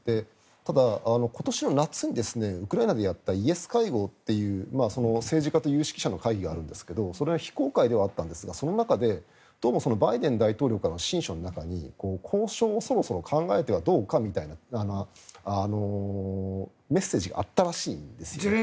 ただ、今年の夏でウクライナでやったイエス会合という政治家と有識者の会合があるんですがそれは非公開ではあるんですがどうもバイデン大統領の親書の中に、交渉をそろそろ考えてはどうかというメッセージがあったらしいんです。